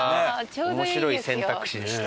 ウエンツ：面白い選択肢でした。